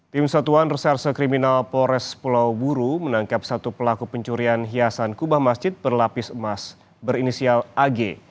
tim satuan reserse kriminal pores pulau buru menangkap satu pelaku pencurian hiasan kubah masjid berlapis emas berinisial ag